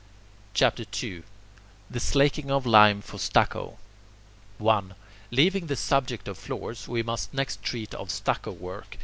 CHAPTER II THE SLAKING OF LIME FOR STUCCO 1. Leaving the subject of floors, we must next treat of stucco work.